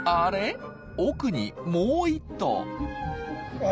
奥にもう１頭。